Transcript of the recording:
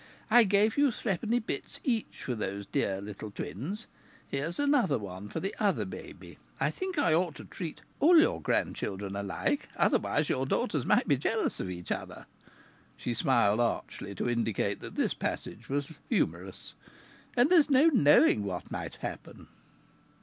I gave you threepenny bits each for those dear little twins. Here's another one for the other baby, I think I ought to treat all your grandchildren alike otherwise your daughters might be jealous of each other" she smiled archly, to indicate that this passage was humorous "and there's no knowing what might happen!"